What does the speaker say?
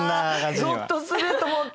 ぞっとすると思って。